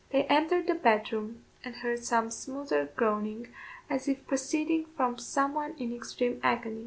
They entered the bedroom, and heard some smothered groaning, as if proceeding from some one in extreme agony.